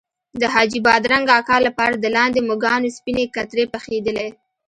د حاجي بادرنګ اکا لپاره د لاندې مږانو سپینې کترې پخېدلې.